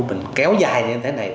mình kéo dài như thế này